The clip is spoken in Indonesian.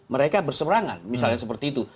mereka berseberangan misalnya seperti itu